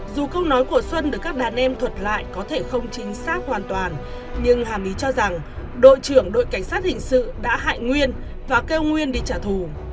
dù câu nói của xuân được các đàn em thuật lại có thể không chính xác hoàn toàn nhưng hàm ý cho rằng đội trưởng đội cảnh sát hình sự đã hại nguyên và kêu nguyên đi trả thù